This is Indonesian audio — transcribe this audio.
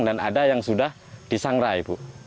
dan ada yang sudah disangrai